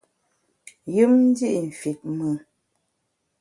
Yùm ndi’ fit mùn.